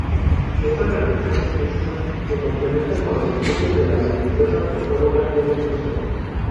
Estas reflexiones íntimas se complementan con los estudios de la prestigiosa antropóloga Helen Fisher.